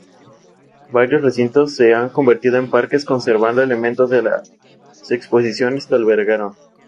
Varios recintos se han convertido en parques, conservando elementos de las exposiciones que albergaron.